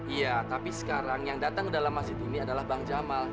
iya tapi sekarang yang datang ke dalam masjid ini adalah bang jamal